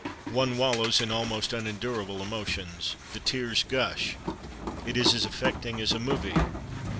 One wallows in almost unendurable emotions. The tears gush. It is as affecting as a movie.